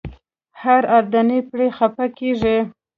هر اردني پرې خپه کېږي.